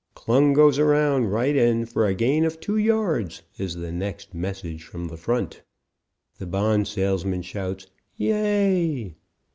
'"] "Klung goes around right end for a gain of two yards," is the next message from the front. The bond salesman shouts "Yea!"